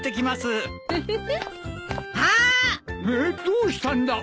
どうしたんだ！？